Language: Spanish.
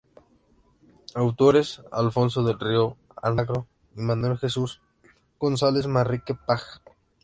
Autores: Alfonso del Río Almagro y Manuel Jesús González Manrique, págs.